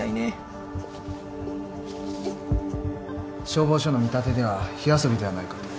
消防署の見立てでは火遊びではないかと。